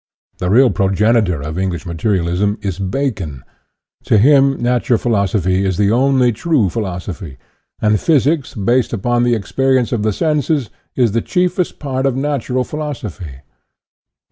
'" The real progenitor of English materialism is Bacon. To him natural philosophy is the only 14 INTRODUCTION true philosophy, and physics based upon the ex perience of the senses is the chiefest part of natural philosophy.